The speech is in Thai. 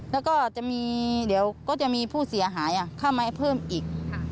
แล้วก็จะมีผู้เสียหายเข้ามาให้เพิ่มอีก